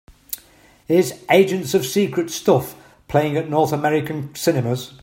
Is Agents of Secret Stuff playing at North American Cinemas